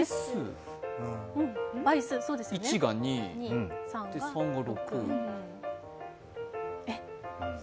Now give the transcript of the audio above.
１が２、で３が６。